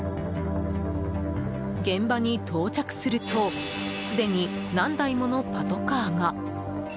現場に到着するとすでに何台ものパトカーが。